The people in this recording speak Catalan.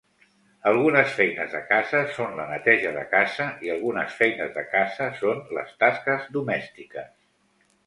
Algunes feines de casa són la neteja de casa i algunes feines de casa són les tasques domèstiques.